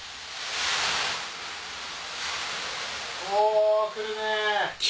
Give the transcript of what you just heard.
お来るねぇ！